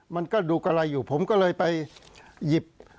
มันก็ดูกะไรอยู่ผมก็เลยไปหยิบ